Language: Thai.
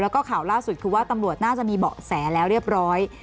แล้วก็ข่าวล่าสุดคือว่าตำรวจน่าจะมีเบาะแสแล้วเรียบร้อย